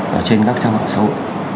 trên các trang mạng xấu